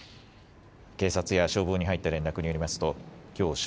警察や消防に入った連絡によりますときょう正